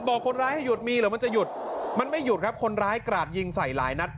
บอกคนร้ายให้หยุดมีหรือมันจะหยุดมันไม่หยุดครับคนร้ายกราดยิงใส่หลายนัด